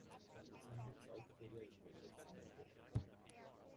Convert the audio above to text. For example, South Korea invited Singapore.